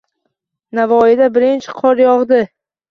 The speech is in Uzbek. Navoiyda birinchi qor yog‘di